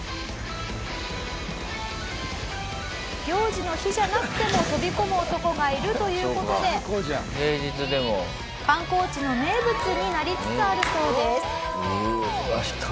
行事の日じゃなくても飛び込む男がいるという事で観光地の名物になりつつあるそうです。